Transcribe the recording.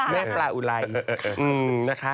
แม่ปลาอุไลน์